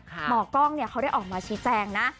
หมอกล้องเขาได้ออกมาชี้แจงนะ